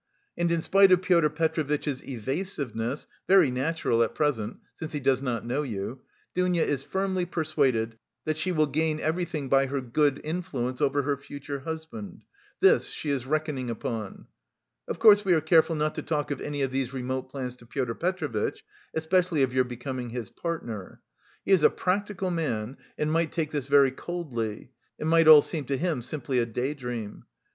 And in spite of Pyotr Petrovitch's evasiveness, very natural at present (since he does not know you), Dounia is firmly persuaded that she will gain everything by her good influence over her future husband; this she is reckoning upon. Of course we are careful not to talk of any of these more remote plans to Pyotr Petrovitch, especially of your becoming his partner. He is a practical man and might take this very coldly, it might all seem to him simply a day dream.